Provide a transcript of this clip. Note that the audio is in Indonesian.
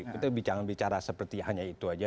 kita bicara bicara seperti hanya itu saja